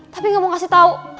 tapi nggak mau kasih tahu